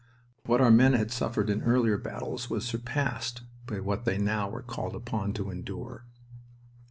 What our men had suffered in earlier battles was surpassed by what they were now called upon to endure.